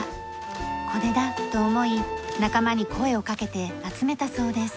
「これだ」と思い仲間に声をかけて集めたそうです。